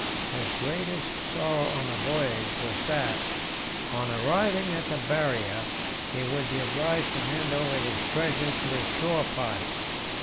His greatest sorrow on the voyage was that, on arriving at the Barrier, he would be obliged to hand over his treasure to the shore party.